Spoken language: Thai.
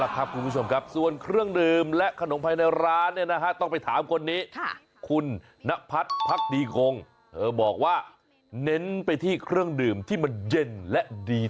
เพราะว่าถ้าสกัดร้อนมันจะดื่มยาก